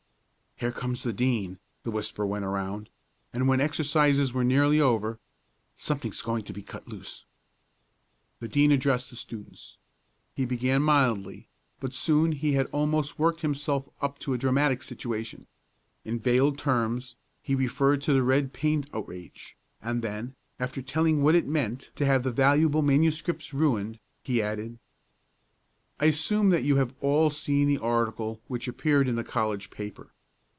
"Here comes the Dean!" the whisper went round, when the exercises were nearly over. "Something's going to be cut loose." The Dean addressed the students. He began mildly, but soon he had almost worked himself up to a dramatic situation. In veiled terms he referred to the red paint outrage, and then, after telling what it meant to have the valuable manuscripts ruined, he added: "I assume that you have all seen the article which appears in the college paper.